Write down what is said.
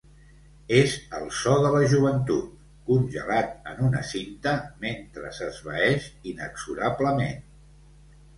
És el so de la joventut, congelat en una cinta, mentre s'esvaeix inexorablement.